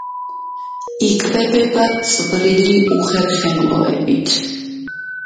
იკვებება წვრილი უხერხემლოებით.